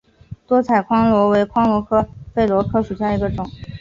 多彩榧螺为榧螺科榧螺属下的一个种。